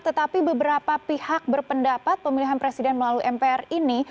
tetapi beberapa pihak berpendapat pemilihan presiden melalui mpr ini